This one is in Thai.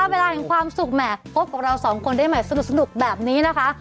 เวลาแห่งความสุขแหม่พบกับเราสองคนได้ใหม่สนุกแบบนี้นะคะ